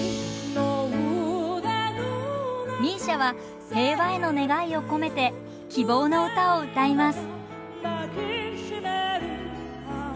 ＭＩＳＩＡは平和への願いを込めて「希望のうた」を歌います。